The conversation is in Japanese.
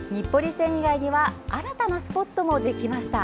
繊維街には新たなスポットもできました。